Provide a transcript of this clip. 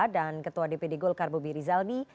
dan ketua dpd golkar bobi rizalbi